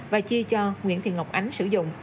và chia cho nguyễn thị ngọc ánh sử dụng